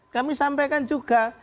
kami sampaikan juga